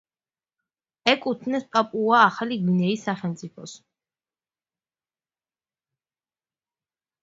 ეკუთვნის პაპუა-ახალი გვინეის სახელმწიფოს.